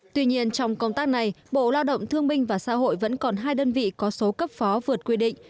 tuy nhiên trong công tác này bộ lao động thương minh và xã hội vẫn còn hai đơn vị có số cấp phó vượt quy định